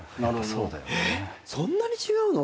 えっそんなに違うの？